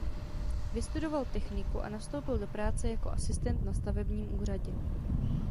Vystudoval techniku a nastoupil do práce jako asistent na stavebním úřadě.